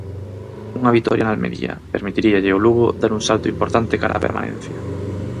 Unha vitoria en Almería, permitiríalle o Lugo dar un salto importante cara a permanencia.